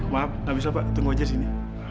maaf gak bisa pak tunggu aja sini